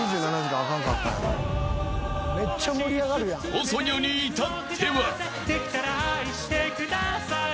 ［細魚に至っては］